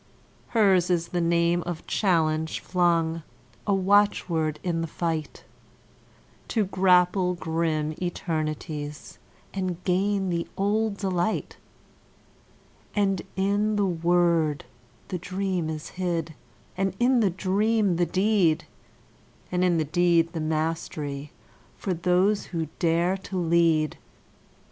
Hers is the name of challenge flung, a watchword in the fight To grapple grim eternities and gain the old delight; And in the word the dream is hid, and in the dream the deed, And in the deed the mastery for those who dare to lead.